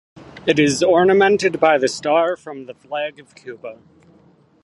It is ornamented by the star from the flag of Cuba.